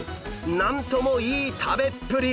なんともいい食べっぷり！